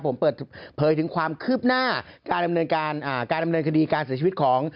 ผมเปิดเผยถึงความคืบหน้าการดำเนินคดีการเสียชีวิตของ